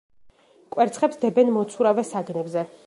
კვერცხებს დებენ მოცურავე საგნებზე.